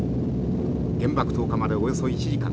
原爆投下までおよそ１時間。